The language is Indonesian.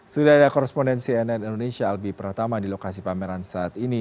sudah ada korespondensi nn indonesia albi pratama di lokasi pameran saat ini